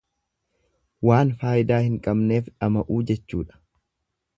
Waan faayidaa hin qabneef dhama'uu jechuudha.